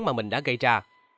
mà mình đã gây ra